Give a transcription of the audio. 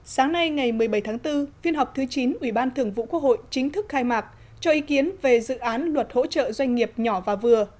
sáng nay ngày một mươi bảy tháng bốn phiên họp thứ chín ubthqh chính thức khai mạc cho ý kiến về dự án luật hỗ trợ doanh nghiệp nhỏ và vừa